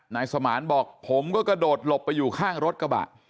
นายสมานบอกผมก็กระโดดหลบไปอยู่ข้างรถกระบะ